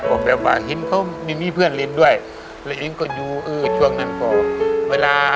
ก็แบบว่าเห็นเขาไม่มีเพื่อนเรียนด้วยแล้วเองก็อยู่เออช่วงนั้นก็เวลา